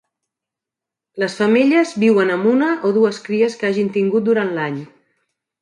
Les femelles viuen amb una o dues cries que hagin tingut durant l'any.